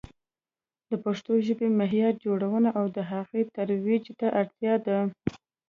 د پښتو ژبې معیار جوړونه او د هغې ترویج ته اړتیا ده.